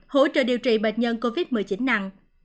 hỗ trợ điều trị bệnh nhân covid một mươi chín nặng